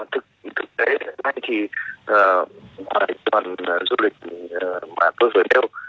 thực tế thì ngoài tuần du lịch mà tôi vừa đeo